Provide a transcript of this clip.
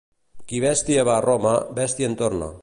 Qui bèstia va a Roma, bèstia en torna.